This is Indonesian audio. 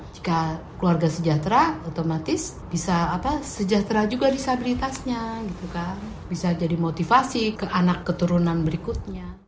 jika keluarga sejahtera otomatis bisa sejahtera juga disabilitasnya bisa jadi motivasi ke anak keturunan berikutnya